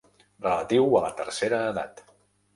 Relatiu a la tercera edat.